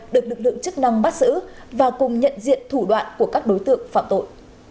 được lực lượng chức năng bắt giữ và cùng nhận diện thủ đoạn của các đối tượng phạm tội